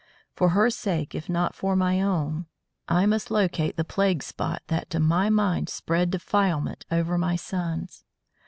For her sake if not for my own, I must locate the plague spot that to my mind spread defilement over all my sons.